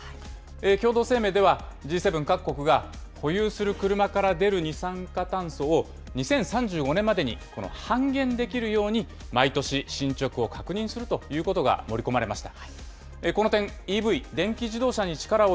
共同声明では、Ｇ７各国が、保有する車から出る二酸化炭素を、２０３５年までに半減できるように、毎年、進捗を確認するということが盛り込まれました。